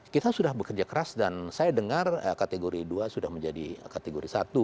kita sudah bekerja keras dan saya dengar kategori dua sudah menjadi kategori satu